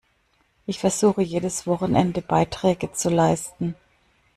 Ich versuche, jedes Wochenende Beiträge zu leisten.